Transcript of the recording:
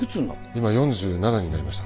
今４７になりました。